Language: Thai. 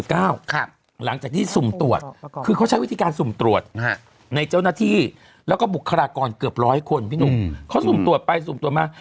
ครับค่ะหลังจากที่สุดประกอบจากวิธีการสูงตรวจในเจ้าหน้าที่แล้วก็บุคลากรเกือบ๑๐๐ค่ะสูงตัวไปสูงตัวมา